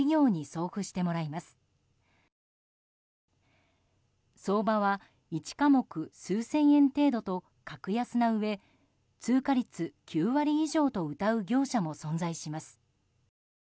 相場は１科目数千円程度と格安なうえ通過率９割以上とうたう業者も存在します。